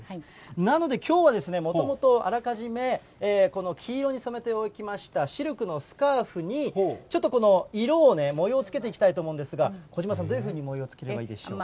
なのできょうは、もともとあらかじめ、黄色に染めておきましたシルクのスカーフに、ちょっとこの色をね、模様をつけていきたいと思うんですが、小島さん、どういうふうに模様つければいいでしょうか。